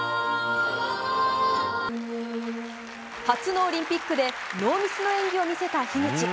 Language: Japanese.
初のオリンピックでノーミスの演技を見せた樋口。